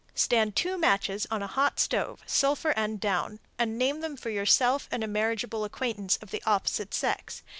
Stand two matches on a hot stove, sulphur end down, and name them for yourself and a marriageable acquaintance of the opposite sex.